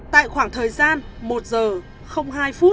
tại khoảng thời gian